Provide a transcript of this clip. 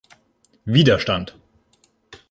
Widerstand!